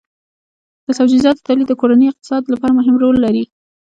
د سبزیجاتو تولید د کورني اقتصاد لپاره مهم رول لري.